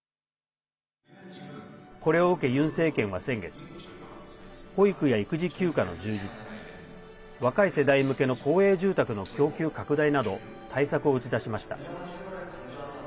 これを受け、ユン政権は先月保育や育児休暇の充実若い世代向けの公営住宅の供給拡大など対策を打ち出しました。